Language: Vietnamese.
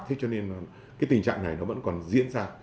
thế cho nên tình trạng này vẫn còn diễn ra